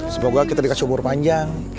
semoga kita diberikan umur panjang